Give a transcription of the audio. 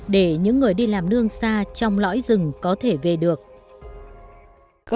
để những người đi làm đường xa trong lõi rừng có thể về được